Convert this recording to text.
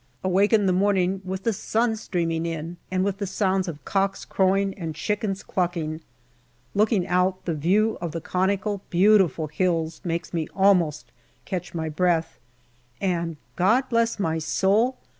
Awake in the morning with the sun streaming in and with the sounds of cocks crowing and chickens clucking. Looking out, the view of the conical beautiful hills makes me almost catch my breath, and, God bless my soul